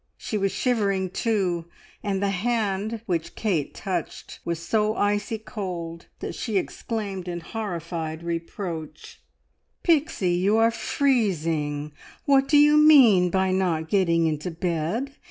She was shivering, too, and the hand which Kate touched was so icy cold that she exclaimed in horrified reproach "Pixie, you are freezing! What do you mean by not getting into bed?